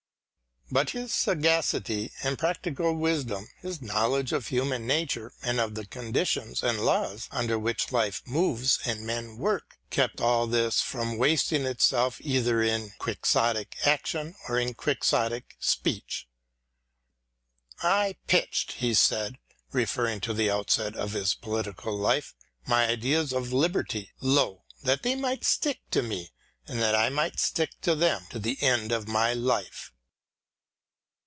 But his sagacity and practical wisdom, his knowledge of human nature and of the conditions and laws under which life moves and men work, kept all this from wasting itself either in. Quixotic action or in Quixotic speech. "I pitched," he said, referring to the outset of his political life, " my ideas of liberty low that they might stick to me and that I might stick to them to the end of my life."